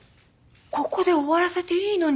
ここで終わらせていいのに。